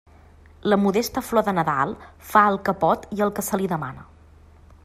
La modesta flor de Nadal fa el que pot i el que se li demana.